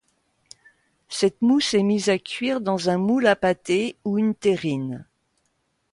Cette mousse est mise à cuire dans un moule à pâté ou une terrine.